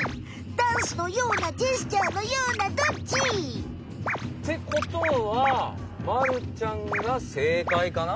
ダンスのようなジェスチャーのようなどっち？ってことはまるちゃんがせいかいかな？